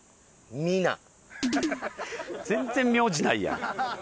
全然名字ないやん。